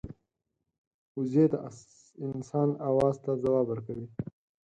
وزې د انسان آواز ته ځواب ورکوي